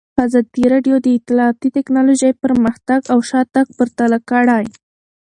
ازادي راډیو د اطلاعاتی تکنالوژي پرمختګ او شاتګ پرتله کړی.